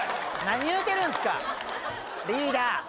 何言うてるんですかリーダー！